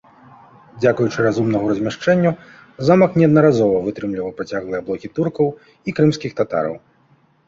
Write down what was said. Дзякуючы разумнаму размяшчэнню замак неаднаразова вытрымліваў працяглыя аблогі туркаў і крымскіх татараў.